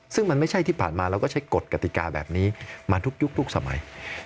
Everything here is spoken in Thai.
ซึ่งมันไม่ใช่ที่ผ่านมาเราก็ใช้กฎกติกาแบบนี้มาทุกยุคทุกสมัย